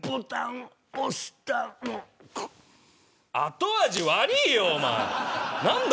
後味悪いよお前、何だ